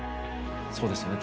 そうですね。